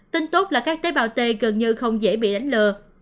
tin tốt là các tế bào t gần như không dễ bị đánh lừa